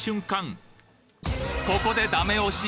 ここでダメ押し。